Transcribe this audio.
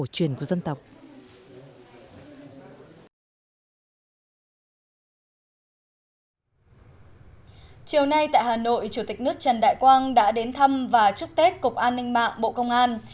chủ tịch nước trần đại quang đã đến thăm và chúc tết cục an ninh mạng bộ công an